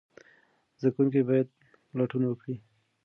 زده کوونکي باید لټون وکړي.